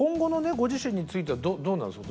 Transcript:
ご自身についてはどうなんですか？